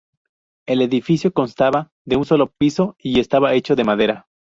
El edificio constaba de un solo piso y estaba hecho de madera.